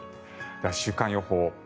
では、週間予報。